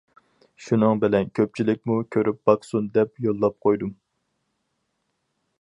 شۇنىڭ بىلەن كۆپچىلىكمۇ كۆرۈپ باقسۇن دەپ يوللاپ قويدۇم.